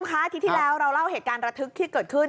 อาทิตย์ที่แล้วเราเล่าเหตุการณ์ระทึกที่เกิดขึ้น